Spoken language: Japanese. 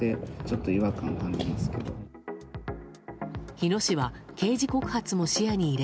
日野市は刑事告発も視野に入れ